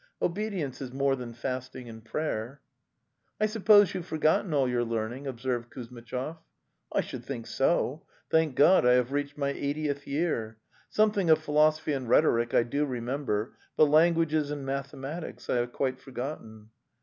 Obedience is more than fasting and prayer." 'I suppose you have forgotten all your learn ing?' observed Kuzmitchov. 'T should think so! 'Thank God, I have reached my eightieth year! Something of philosophy and rhetoric I do remember, but languages and mathe matics I have quite forgotten."